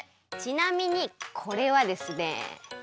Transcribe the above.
ちなみにこれはですね